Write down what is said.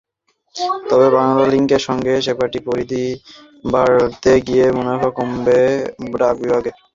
তবে বাংলালিংকের সঙ্গে সেবাটির পরিধি বাড়াতে গিয়ে মুনাফা কমবে ডাক বিভাগের।